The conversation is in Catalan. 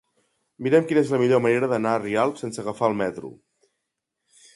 Mira'm quina és la millor manera d'anar a Rialp sense agafar el metro.